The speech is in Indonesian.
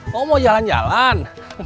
kok mau jalan jalan